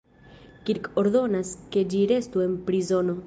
Kirk ordonas ke ĝi restu en prizono.